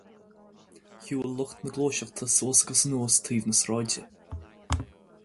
Shiúil lucht na Gluaiseachta suas agus anuas taobh na sráide.